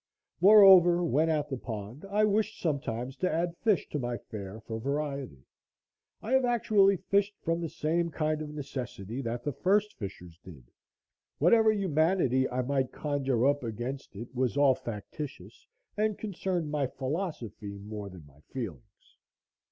Moreover, when at the pond, I wished sometimes to add fish to my fare for variety. I have actually fished from the same kind of necessity that the first fishers did. Whatever humanity I might conjure up against it was all factitious, and concerned my philosophy more than my feelings.